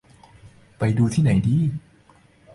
ไปดูที่ไหนดี